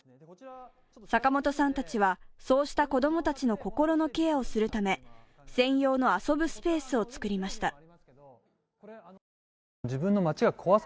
坂本さんたちは、そうした子供たちの心のケアをするため専用の遊ぶスペースを作りました。